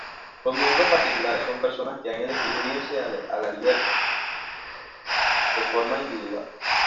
Los miembros particulares son personas que han elegido unirse a Libertas.eu de forma individual.